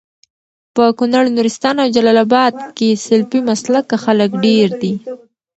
په کونړ، نورستان او جلال اباد کي سلفي مسلکه خلک ډير دي